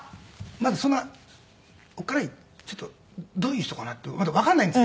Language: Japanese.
まだそんなおっかないちょっとどういう人かなってまだわからないんですけど。